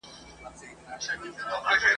خپل شعرونه چاپ کړل !.